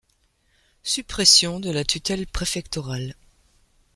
Suppression de la tutelle préfectorale.